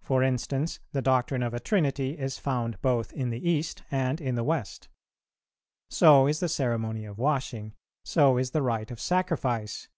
For instance, the doctrine of a Trinity is found both in the East and in the West; so is the ceremony of washing; so is the rite of sacrifice.